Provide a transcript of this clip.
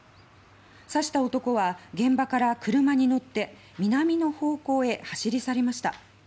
刺した男は現場から車に乗って南の方向へ走り去りました。